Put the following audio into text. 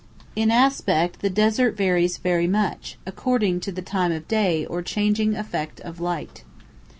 In aspect the desert varies very much, according to the time of day or changing effect of light.